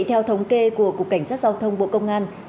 theo thống kê của cục cảnh sát giao thông bộ công an